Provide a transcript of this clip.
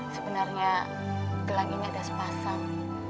sebenarnya gelang ini ada sepasang